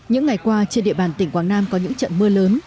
những ngày qua trên địa bàn tỉnh quảng nam có những trận mưa lớn